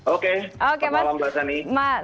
oke selamat malam mbak sani